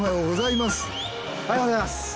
おはようございます。